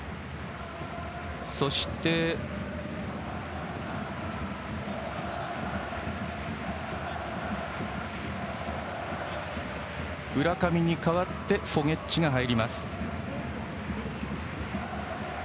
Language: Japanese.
そして浦上に代わってフォゲッチが入ります。